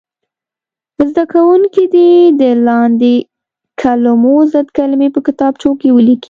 زده کوونکي دې د لاندې کلمو ضد کلمې په کتابچو کې ولیکي.